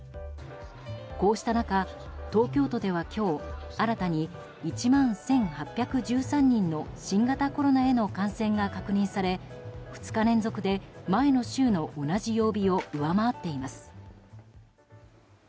こうした中、東京都では今日新たに１万１８１３人の新型コロナへの感染が確認され２日連続で前の週の同じ曜日を上回っています。